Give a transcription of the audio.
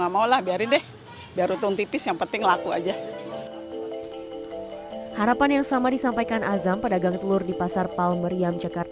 azam berharap harga telur ini akan menaikkan harga telur yang diperlukan